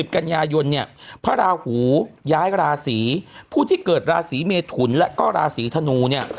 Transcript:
กันยายนเนี่ยพระราหูย้ายราศีผู้ที่เกิดราศีเมทุนและก็ราศีธนูเนี่ย